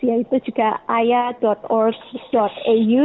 yaitu juga aya org au